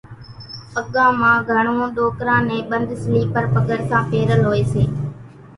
پڳان مان گھڻون ڏوڪران نين ٻنڌ سليپر پڳرسان پيرل هوئيَ سي۔